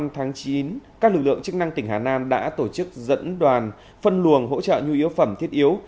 một mươi tháng chín các lực lượng chức năng tỉnh hà nam đã tổ chức dẫn đoàn phân luồng hỗ trợ nhu yếu phẩm thiết yếu